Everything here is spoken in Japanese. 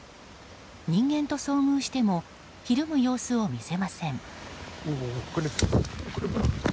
人間と遭遇してもひるむ様子を見せません。